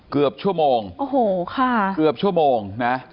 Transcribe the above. เกือบชั่วโมงโอ้โหค่ะเกือบชั่วโมงนะ